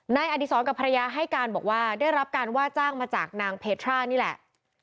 อดีศรกับภรรยาให้การบอกว่าได้รับการว่าจ้างมาจากนางเพทรานี่แหละ